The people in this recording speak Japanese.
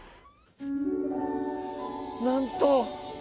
「なんと」。